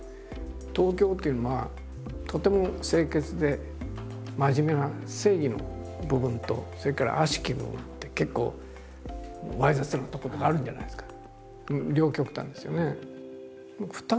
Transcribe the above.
東京っていうのはとても清潔で真面目な正義の部分とそれから悪しき部分って結構猥雑なところがあるじゃないですか。